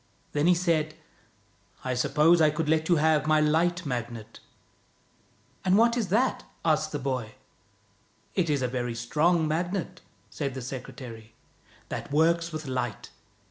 Then he said: " I suppose I could let you have my Light Magnet." " And what is that? " asked the boy. "It is a very strong Magnet," said the secretary, " that works with light.